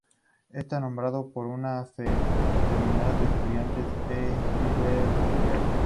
Está nombrado por una fraternidad de estudiantes de Heidelberg.